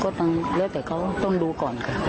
ก็แล้วแต่เขาต้องดูก่อนค่ะ